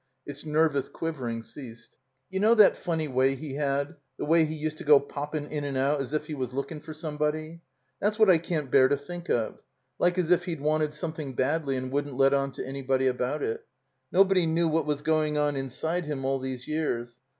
Its nervous quivering ceased. "You know that fimny way he had — ^the way he used to go poppin' in and out as if he was lookin' for somebody? That's what I can't bear to think of. Like as if he'd wanted something badly and wouldn't let on to anybody about it. Nobody knew what was going on inside him all these years.